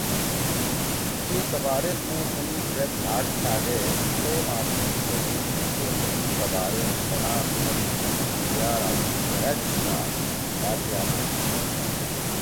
کی تباریخ می تُھن ڙید لھاڑ تھأ دے تھوئے ما تُھن دھیریِن، جیدُون، تباریخ، شناخت، کلتُور، اختیار آں جیِب گھیرأدچی دا تھأ پیانا۔